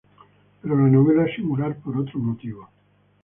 Pero la novela es singular por otros motivos.